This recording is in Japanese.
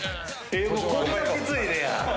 こんなキツいねや！